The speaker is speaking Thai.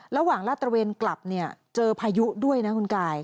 ลาดตระเวนกลับเนี่ยเจอพายุด้วยนะคุณกาย